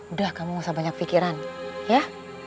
udah kamu gak usah banyak pikiran ya